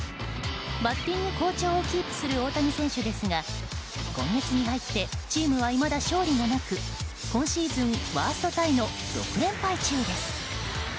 バッティング好調をキープする大谷選手ですが今月に入ってチームはいまだ勝利がなく今シーズンワーストタイの６連敗中です。